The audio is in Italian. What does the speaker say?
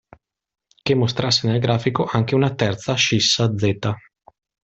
Che mostrasse nel grafico anche una terza ascissa z.